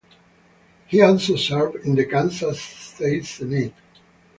He also served in the Kansas State Senate.